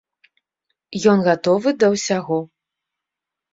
Ён гатовы да ўсяго.